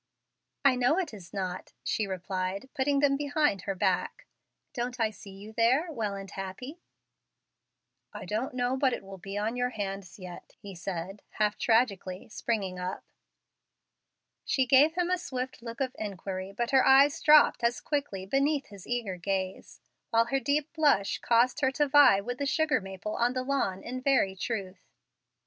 "I know it is not," she replied, putting them behind her back; "don't I see you there well and happy?" "I don't know but it will be on your hands yet," he said, half tragically, springing up. She gave him a swift look of inquiry, but her eyes dropped as quickly beneath his eager gaze, while her deep blush caused her to vie with the sugar maple on the lawn in very truth.